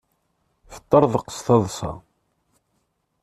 Teṭṭerḍeq d taḍsa.